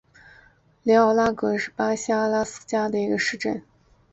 里奥拉戈是巴西阿拉戈斯州的一个市镇。